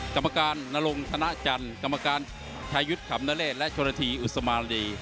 กรรมการนรงธนจันทร์กรรมการชายุทธ์ขำนเลศและชนธีอุศมารี